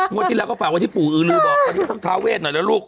งวดที่แล้วก็ฝากว่าที่ปู่อื้อลื้อบอกว่าตอนนี้ต้องภาเวทหน่อยละลูก